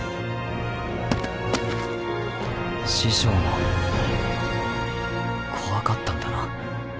師匠も怖かったんだな